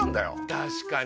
確かに。